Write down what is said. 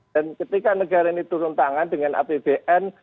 dan ketika negara ini turun tangan dengan apbn